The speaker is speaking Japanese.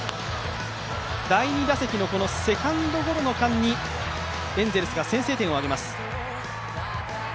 第２打席のセカンドゴロの間に、エンゼルスが先制点を挙げます。